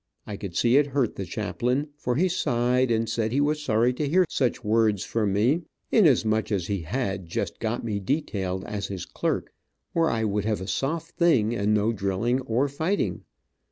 I could see it hurt the chaplain, for he sighed and said he was sorry to hear such words from me, inasmuch as he had just got me detailed as his clerk, where I would have a soft thing, and no drilling or fighting.